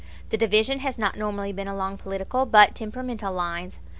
The division has not normally been along political, but temperamental, lines.